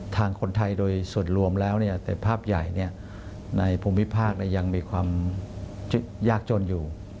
ทางคนไทยโดยส่วนรวมแล้วแต่ภาพใหญ่ในภูมิภาคยังมีความยากจนอยู่